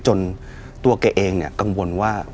จนตัวเกะเองเนี่ยกังวลว่า